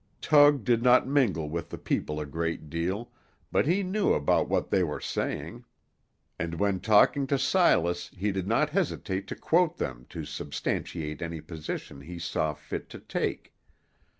Tug did not mingle with the people a great deal, but he knew about what they were saying, and when talking to Silas he did not hesitate to quote them to substantiate any position he saw fit to take.